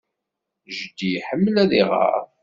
Jeddi iḥemmel ad iɣer.